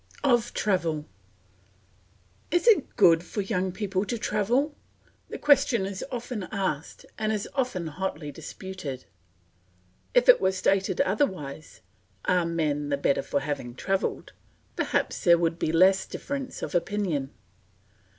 OF TRAVEL Is it good for young people to travel? The question is often asked and as often hotly disputed. If it were stated otherwise Are men the better for having travelled? perhaps there would be less difference of opinion.